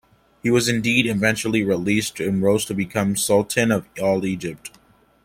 He was indeed eventually released, and rose to become Sultan of all Egypt.